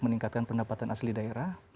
meningkatkan pendapatan asli daerah